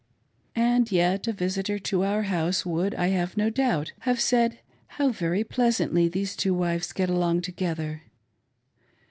And yet a visitor to our house would, I have no doubt, have said, How very pleas antly those two wives get along together.